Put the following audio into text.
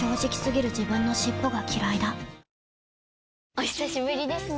お久しぶりですね。